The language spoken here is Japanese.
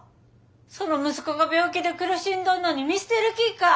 その息子が病気で苦しんどんのに見捨てる気ぃか！